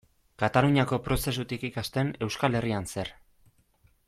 Kataluniako prozesutik ikasten, Euskal Herrian zer?